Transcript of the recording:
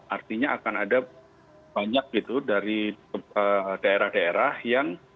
artinya akan ada banyak gitu dari daerah daerah yang